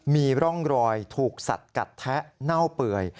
มีร่องรอยถูกสัดกัดแทะเน่าเปื่อย